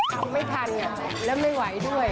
ทำไม่ทันอย่างนี้และไม่ไหวด้วย